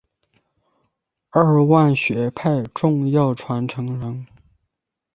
二万学派重要传承人。